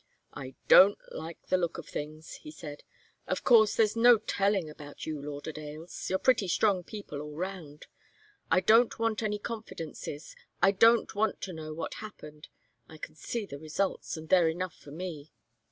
"I don't like the look of things," he said. "Of course, there's no telling about you Lauderdales. You're pretty strong people all round. I don't want any confidences. I don't want to know what's happened. I can see the results, and they're enough for me.